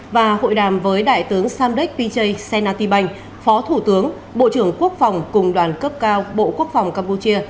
và hội đàm với đại tướng samdech pichai senatibang phó thủ tướng bộ trưởng quốc phòng cùng đoàn cấp cao bộ quốc phòng campuchia